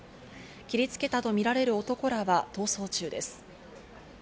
切りつけたとみられる男らは逃走中です。